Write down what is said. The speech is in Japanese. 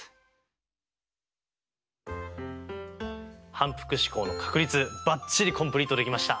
反復試行の確率ばっちりコンプリートできました。